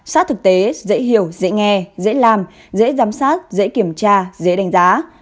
sát thực tế dễ hiểu dễ nghe dễ làm dễ giám sát dễ kiểm tra dễ đánh giá